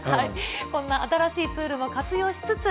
こんな新しいツールも活用しつつ、